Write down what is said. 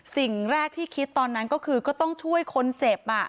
สิ่งแรกที่คิดตอนนั้นก็คือก็ต้องช่วยคนเจ็บ